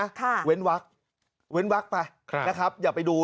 ค่ะว้นวักว้นวักไปนะครับอย่าไปดู